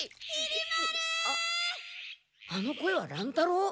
あの声は乱太郎？